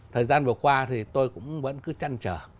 thời gian vừa qua thì tôi cũng vẫn cứ chăn trở